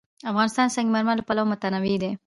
افغانستان د سنگ مرمر له پلوه متنوع دی.